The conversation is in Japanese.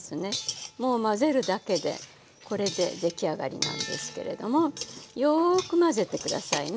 もう混ぜるだけでこれで出来上がりなんですけれどもよく混ぜて下さいね